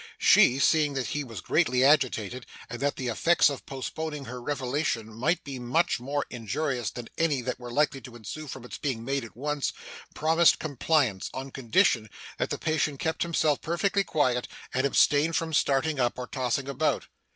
She, seeing that he was greatly agitated, and that the effects of postponing her revelation might be much more injurious than any that were likely to ensue from its being made at once, promised compliance, on condition that the patient kept himself perfectly quiet, and abstained from starting up or tossing about.